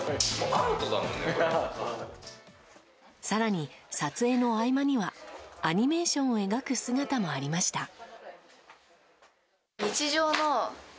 更に、撮影の合間にはアニメーションを描く姿もありました。